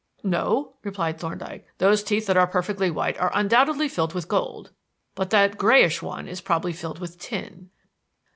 "No," replied Thorndyke. "Those teeth that are perfectly white are undoubtedly filled with gold, but that grayish one is probably filled with tin."